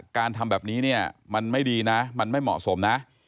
การทำแบบนี้เนี่ยมันไม่ดีนะมันไม่เหมาะสมนะ